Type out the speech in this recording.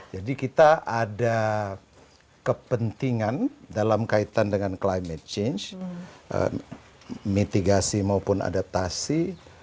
jadi kita ada kepentingan dalam kaitan dengan climate change mitigasi maupun adaptasi